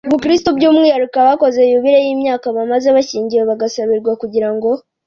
bukristu, by'umwihariko abakoze yubile y'imyaka bamaze bashyingiwe bagasabirwa kugira ngo